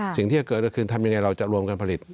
สิ่งที่จะเกิดก็คือทำยังไงเราจะรวมกันผลิต